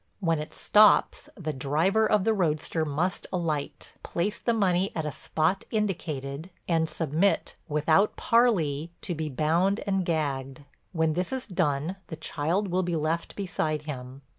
When it stops the driver of the roadster must alight, place the money at a spot indicated, and submit, without parley, to being bound and gagged. When this is done the child will be left beside him.